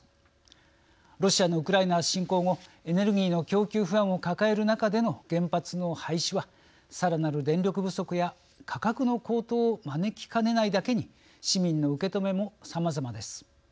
ロシアのウクライナ侵攻後エネルギーの供給不安を抱える中での原発の廃止はさらなる電力不足や価格の高騰を招きかねないだけに市民の受け止めもさまざまです。